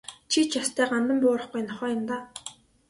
Чи ч ёстой гандан буурахгүй нохой юм даа.